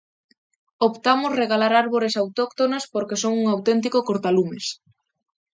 Optamos regalar árbores autóctonas porque son un auténtico cortalumes.